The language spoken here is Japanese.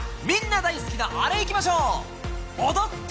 みんな大好きなアレいきましょう。